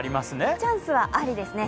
チャンスはありですね。